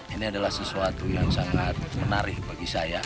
ini adalah sesuatu yang sangat menarik bagi saya